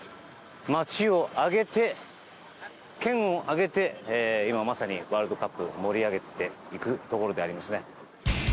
街を挙げて、県を挙げて今まさにワールドカップを盛り上げていくところでありますね。